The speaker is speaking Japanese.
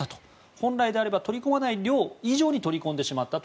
本来なら取り込まない量以上に取り込んでしまったと